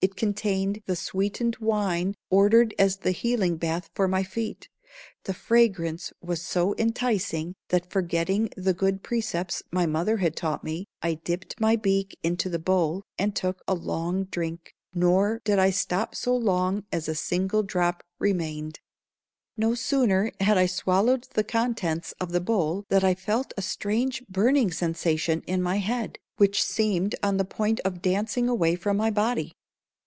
It contained the sweetened wine ordered as a healing bath for my feet. The fragrance was so enticing that, forgetting the good precepts my mother had taught me, I dipped my beak into the bowl and took a long drink, nor did I stop so long as a single drop remained. [Illustration: "TEARING OUT NAIL AFTER NAIL."] No sooner had I swallowed the contents of the bowl than I felt a strange burning sensation in my head, which seemed on the point of dancing away from my body.